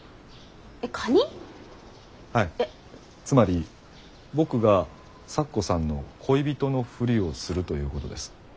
つまり僕が咲子さんの恋人のふりをするということです。